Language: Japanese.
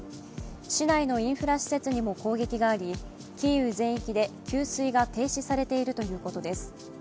市内のインフラ施設にも攻撃がありキーウ全域で給水が停止されているということです。